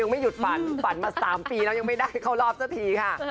ไม่หยุดฝันฝันมา๓ปีแล้วยังไม่ได้เข้ารอบสักทีค่ะ